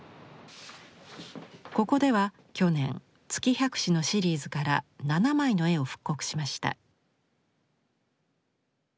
ここでは去年「月百姿」のシリーズから７枚の絵を復刻しました。